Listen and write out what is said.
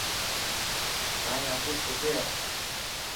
تائن آفيس ڪٿي هي.